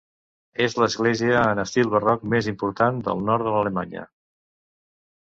És l'església en estil barroc més important del nord de l'Alemanya.